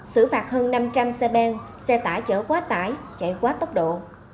xử phạt hơn năm trăm linh xe ben xe tải chở quá tải chạy quá tốc độ